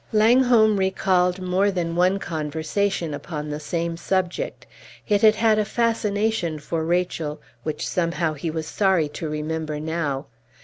Langholm recalled more than one conversation upon the same subject. It had had a fascination for Rachel, which somehow he was sorry to remember now.